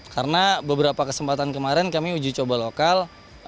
karena beberapa kesempatan kemarin kami uji coba lokal